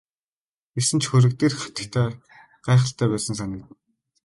Гэсэн ч хөрөг дээрх хатагтай гайхалтай байсан санагдана.